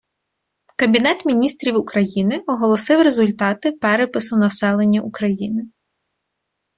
Кабінет міністрів України оголосив результати перепису населення України